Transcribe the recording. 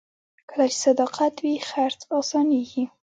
کله چې صداقت وي، خرڅ اسانېږي.